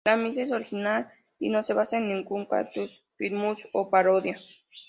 La misa es original y no se basa en ningún cantus firmus o parodia.